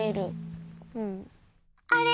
あれ？